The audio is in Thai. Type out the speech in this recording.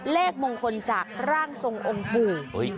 เลขมงคลจากร่างทรงองค์ปู่